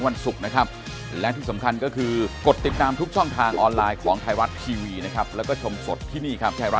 ว่าทำไมเขาโดนคนเดียว